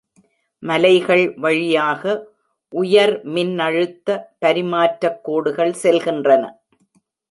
மலைகள் வழியாக உயர்-மின்னழுத்த பரிமாற்றக் கோடுகள் செல்கின்றன.